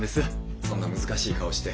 そんな難しい顔して。